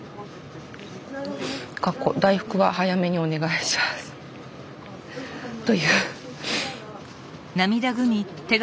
かっこ大福は早めにお願いします」という。